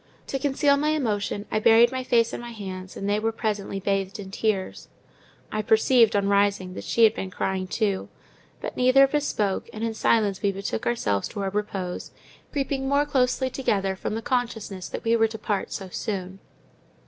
To conceal my emotion, I buried my face in my hands, and they were presently bathed in tears. I perceived, on rising, that she had been crying too: but neither of us spoke; and in silence we betook ourselves to our repose, creeping more closely together from the consciousness that we were to part so soon.